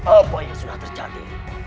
apa yang sudah terjadi